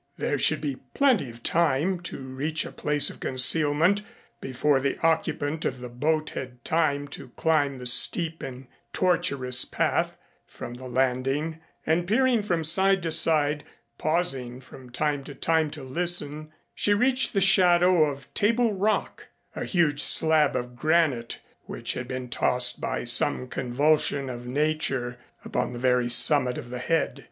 There should be plenty of time to reach a place of concealment before the occupant of the boat had time to climb the steep and tortuous path from the landing, and peering from side to side, pausing from time to time to listen, she reached the shadow of Table Rock, a huge slab of granite which had been tossed by some convulsion of Nature upon the very summit of the Head.